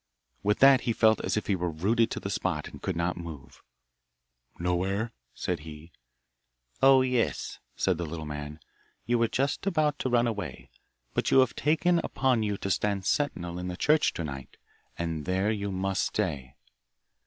With that he felt as if he were rooted to the spot and could not move. 'Nowhere,' said he. 'Oh, yes,' said the little man, 'You were just about to run away, but you have taken upon you to stand sentinel in the church to night, and there you must stay.